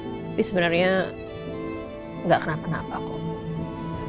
tapi sebenarnya nggak kenapa napa koki